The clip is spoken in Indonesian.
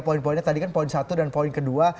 poin poinnya tadi kan poin satu dan poin kedua